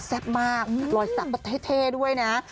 แสบมากรอยสันเท่ด้วยนะ